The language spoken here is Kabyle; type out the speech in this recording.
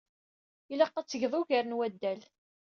Ilaq-ak ad tgeḍ ugar n waddal.